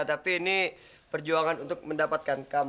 tapi ini perjuangan untuk mendapatkan